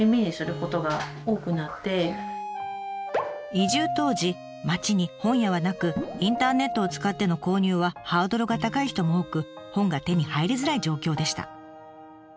移住当時町に本屋はなくインターネットを使っての購入はハードルが高い人も多く本が手に入りづらい状況でした。